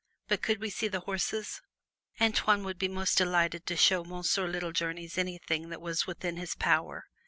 But could we see the horses? Antoine would be most delighted to show Monsieur Littlejourneys anything that was within his power.